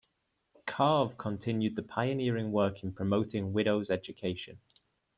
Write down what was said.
Karve continued the pioneering work in promoting widows' education.